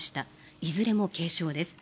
いずれも軽症です。